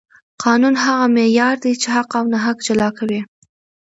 قانون هغه معیار دی چې حق او ناحق جلا کوي